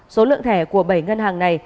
số lượng thẻ của bảy ngân hàng này